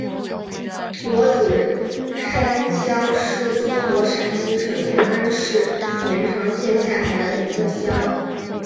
罗子山乡是中国陕西省延安市延长县下辖的一个乡。